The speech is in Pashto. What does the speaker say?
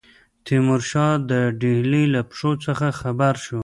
تیمورشاه د ډهلي له پیښو څخه خبر شو.